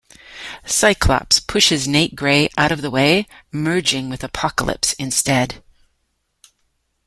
Cyclops pushes Nate Grey out of the way, merging with Apocalypse instead.